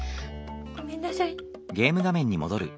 ごめんなさい。